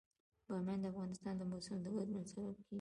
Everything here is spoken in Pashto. بامیان د افغانستان د موسم د بدلون سبب کېږي.